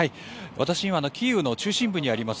私は今、キーウ中心部にあります